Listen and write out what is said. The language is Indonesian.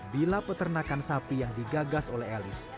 bila peternakan sapi yang digagas oleh elis